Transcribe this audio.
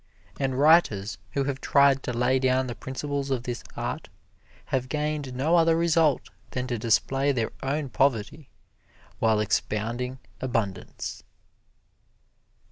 And writers who have tried to lay down the principles of this art have gained no other result than to display their own poverty while expounding abundance.